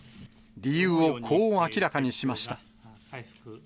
理由をこう明らかにしました。